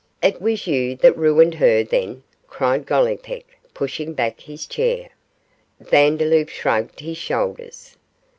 'It was you that ruined her, then?' cried Gollipeck, pushing back his chair. Vandeloup shrugged his shoulders.